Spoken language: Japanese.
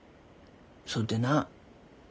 そっでな